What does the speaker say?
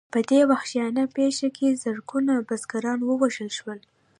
په دې وحشیانه پېښه کې زرګونه بزګران ووژل شول.